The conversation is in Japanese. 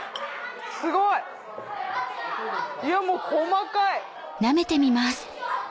すごいいやもう細かい。